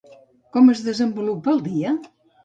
Com es desenvolupa el dia?